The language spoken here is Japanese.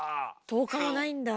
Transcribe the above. １０日もないんだ。